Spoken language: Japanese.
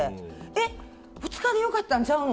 え、２日でよかったんちゃうの？